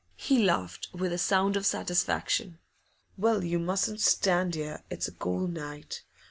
He laughed with a sound of satisfaction. 'Well, you mustn't stand here; it's a cold night.